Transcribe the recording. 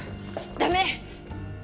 ダメ！